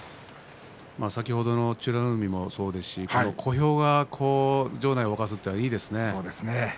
先ほどの美ノ海もそうですし小兵が場内を沸かすというのはいいですね。